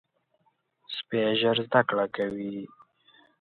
سپي ژر زده کړه کوي.